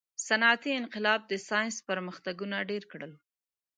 • صنعتي انقلاب د ساینس پرمختګونه ډېر کړل.